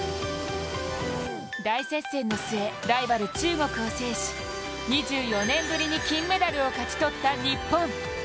大接戦の末、ライバル・中国を制し２４年ぶりに金メダルを勝ち取った日本。